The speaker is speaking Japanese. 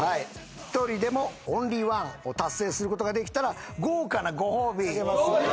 １人でもオンリーワンを達成することができたら豪華なご褒美あげます。